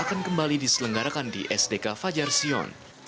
akan kembali diselenggarakan di sdk fajar sion